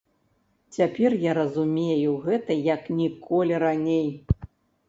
Цяпер я разумею гэта як ніколі раней.